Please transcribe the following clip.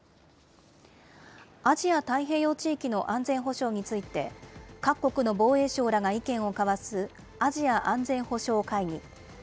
アジア・太平洋地域の安全保障について、各国の防衛相らが意見を交わす、アジア安全保障会議。